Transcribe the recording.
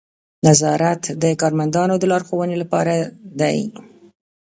نظارت د کارمندانو د لارښوونې لپاره دی.